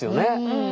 うん。